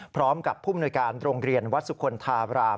พร้อมกับผู้มนุยการโรงเรียนวัดสุคลธาบราม